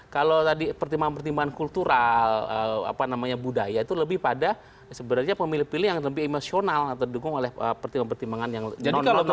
kalau tadi pertimbangan pertimbangan kultural apa namanya budaya itu lebih pada sebenarnya pemilih pilih yang lebih emosional atau didukung oleh pertimbangan pertimbangan yang nonton